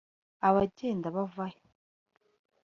Abagenda bava he